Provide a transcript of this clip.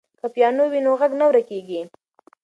که پیانو وي نو غږ نه ورکېږي.